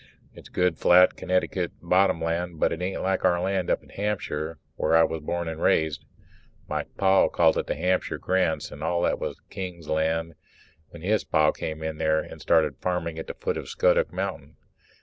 It's good flat Connecticut bottom land, but it isn't like our land up in Hampshire where I was born and raised. My Pa called it the Hampshire Grants and all that was King's land when his Pa came in there and started farming at the foot of Scuttock Mountain.